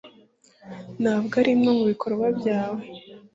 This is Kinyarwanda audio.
ntabwo arimwe mubikorwa byawe